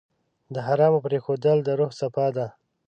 د حرامو پرېښودل د روح صفا ده.